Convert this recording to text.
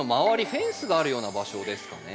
フェンスがあるような場所ですかね。